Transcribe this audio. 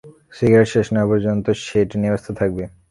Cigarette শেষ না হওয়া পর্যন্ত সে এটা নিয়ে ব্যস্ত থাকবে।